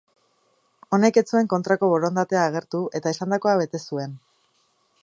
Honek ez zuen kontrako borondatea agertu eta esandakoa bete zuen.